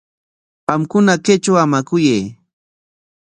Qamkuna kaytraw hamakuyay.